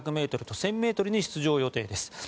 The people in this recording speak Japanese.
５００ｍと１０００ｍに出場予定です。